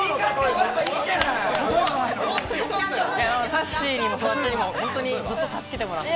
さっしーにもフワちゃんにもずっと助けてもらって。